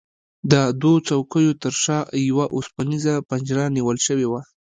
د دوو څوکیو ترشا یوه اوسپنیزه پنجره نیول شوې وه.